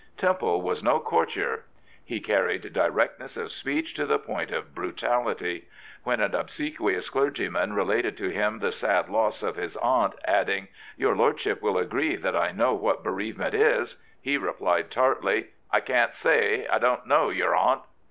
Temple was no courtier. He carried directness of speech to the point of brutality. When an obsgquious clergyman related to him the sad loss of his aunt, adding, " Your lord ship will agree that I know what bereavement is," he replied tartly, " I can't say; I didn't know your aunt."